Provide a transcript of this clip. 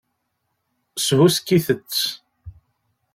Shuskit-t!